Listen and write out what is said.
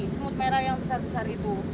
semut merah yang besar besar itu